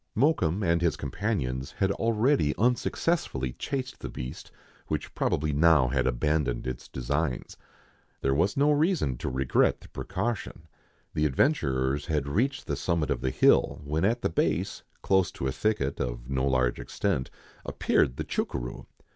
Mokoum and his companions had already unsuccessfully chased the beast, which probably now had abandoned its designs. There was no reason to regret the precaution. The adventurers had reached the summit of the hill, when at the base, close to a thicket, of no large extent, appeared the chucuroo.